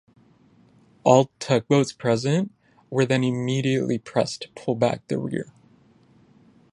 All tugboats present were then immediately pressed to pull back the rear.